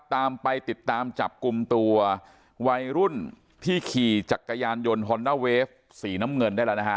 ตามไปติดตามจับกลุ่มตัววัยรุ่นที่ขี่จักรยานยนต์ฮอนด้าเวฟสีน้ำเงินได้แล้วนะฮะ